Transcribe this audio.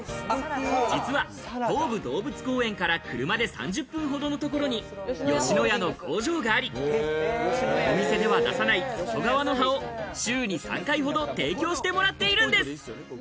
実は東武動物公園から車で３０分ほどのところに吉野家の工場があり、お店では出さない外側の葉を週に３回ほど提供してもらっているんです。